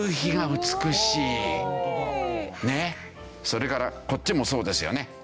それからこっちもそうですよね。